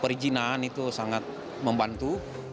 perijinan itu sangat membantu